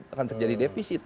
akan terjadi defisit